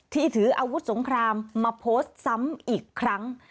ถืออาวุธสงครามมาโพสต์ซ้ำอีกครั้ง